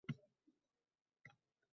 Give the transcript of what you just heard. Nihoyat, eshik ochilib, Tom kirib keldi